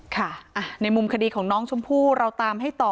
ค่ะในมุมคดีของน้องชมพู่เราตามให้ต่อ